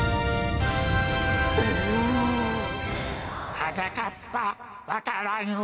はなかっぱわか蘭を！